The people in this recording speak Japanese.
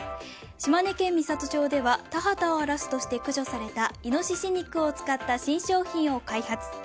島根県美郷町では田畑を荒らすとして駆除されたイノシシ肉を使った新商品を開発。